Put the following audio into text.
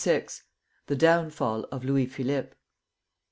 THE DOWNFALL OF LOUIS PHILIPPE.